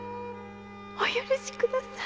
お許しください